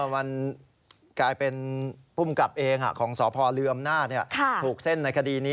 มันกลายเป็นผู้มกับเองของส่อพเรืออำนาจ